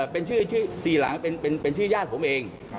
เป็นชื่อ๔หลังเป็นชื่อญาติผมเอง